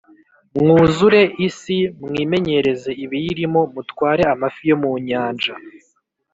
mwuzure isi, mwimenyereze ibiyirimo, mutware amafi yo mu Nyanja